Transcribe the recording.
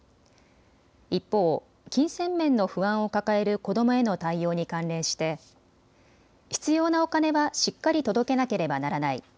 一方、金銭面の不安を抱える子どもへの対応に関連して必要なお金はしっかり届けなければならない。